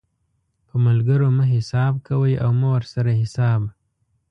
په ملګرو مه حساب کوئ او مه ورسره حساب